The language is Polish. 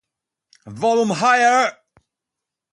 "Pociąg wszedł w olbrzymią aleję wersalską."